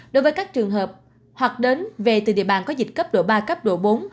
đối với các trường hợp hoặc đến về từ địa bàn có dịch cấp độ ba cấp độ bốn